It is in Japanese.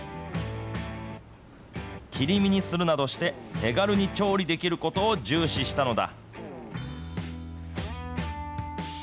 切り身にするなどして、手軽に調理できることを重視したのだ。